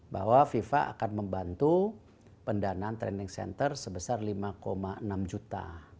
bahwa fifa akan membantu pendanaan training center sebesar lima enam juta